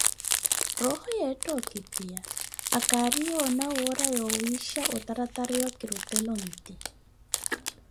Rooho yetta okipiya, akariwoona woora wa wiisha otaratariwa kurutela onti.